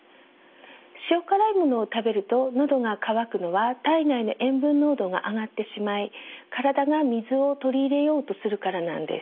塩辛いものを食べると喉が渇くのは体内の塩分濃度が上がってしまい体が水を取り入れようとするからなんです。